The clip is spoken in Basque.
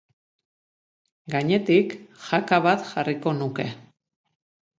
Gainetik, jaka bat jarriko nuke.